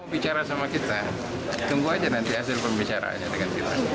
bicara sama kita tunggu aja nanti hasil pembicaraannya dengan kita